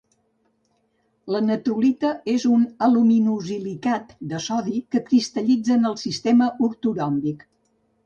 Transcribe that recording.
La Natrolita és un aluminosilicat de sodi que cristal·litza en el sistema ortoròmbic.